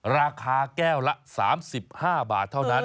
ราคาแก้วละ๓๕บาทเท่านั้น